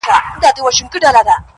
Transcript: د مسجد لوري، د مندر او کلیسا لوري~